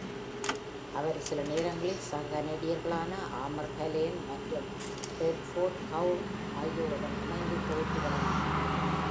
அவர் சில நேரங்களில் சக கனடியர்களான Aamer Haleem மற்றும் Bradford How ஆகியோருடன் இணைந்து தொகுத்து வழங்கினார்.